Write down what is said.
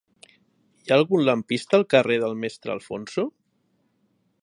Hi ha algun lampista al carrer del Mestre Alfonso?